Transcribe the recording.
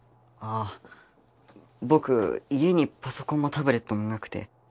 あぁ僕家にパソコンもタブレットもなくて。